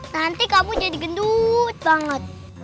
nanti kamu jadi gendut banget